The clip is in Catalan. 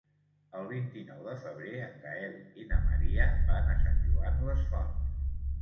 El vint-i-nou de febrer en Gaël i na Maria van a Sant Joan les Fonts.